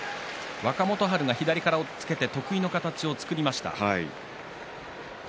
若元春が左から押っつけて得意の形を作りました。